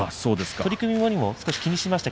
取組後も少し気にしていました。